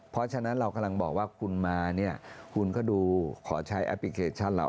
เพราะฉะนั้นเรากำลังบอกว่าคุณมาเนี่ยคุณก็ดูขอใช้แอปพลิเคชันเรา